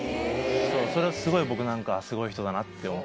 それをすごい僕なんかはすごい人だなって思ったんすよ。